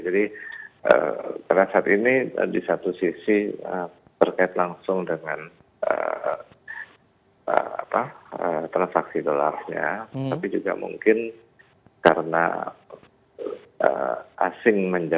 jadi terasa ini di satu sisi terkait langsung dengan transaksi dolarnya tapi juga mungkin karena asing menyebabkan